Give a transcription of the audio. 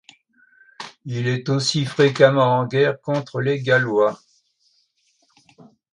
Il est aussi fréquemment en guerre contre les Gallois.